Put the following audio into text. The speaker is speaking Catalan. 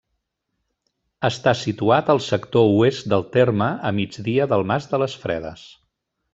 Està situat al sector oest del terme, a migdia del Mas de les Fredes.